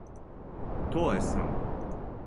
То је само.